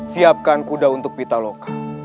siapkan kuda untuk pitaloka